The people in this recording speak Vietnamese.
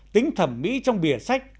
tính thẩm mỹ trong bìa sách